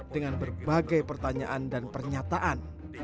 dengan berbagai pertanyaan dan pernyataan